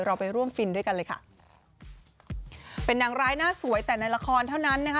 ไปร่วมฟินด้วยกันเลยค่ะเป็นนางร้ายหน้าสวยแต่ในละครเท่านั้นนะคะ